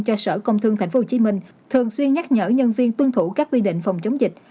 cho sở công thương tp hcm thường xuyên nhắc nhở nhân viên tuân thủ các quy định phòng chống dịch